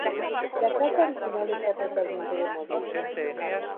La casa original está totalmente demolida.